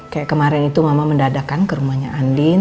kayak kemarin itu mama mendadakan ke rumahnya andin